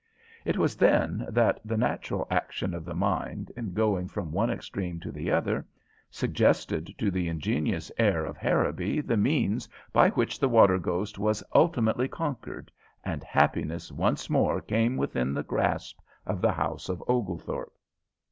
It was then that the natural action of the mind, in going from one extreme to the other, suggested to the ingenious heir of Harrowby the means by which the water ghost was ultimately conquered, and happiness once more came within the grasp of the house of Oglethorpe.